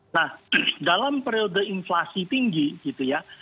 nah dalam periode inflasi tinggi gitu ya